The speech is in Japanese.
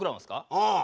ああ。